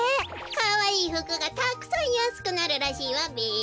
かわいいふくがたくさんやすくなるらしいわべ。